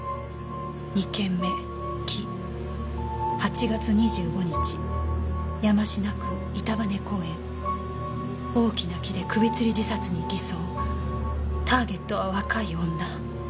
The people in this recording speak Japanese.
「２件目木」「８月２５日山科区板羽公園」「大きな木で首つり自殺に偽装」「ターゲットは若い女」